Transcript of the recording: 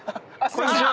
こんにちは。